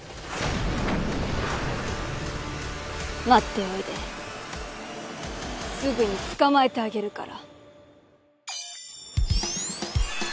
待っておいですぐに捕まえてあげるから。